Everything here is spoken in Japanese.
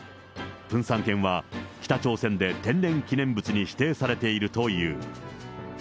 プンサン犬は北朝鮮で天然記念物に指定されているという。